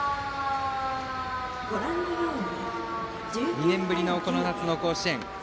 ２年ぶりの夏の甲子園。